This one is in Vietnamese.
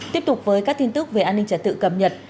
tiếp tục với các tin tức về an ninh trả tự cầm nhật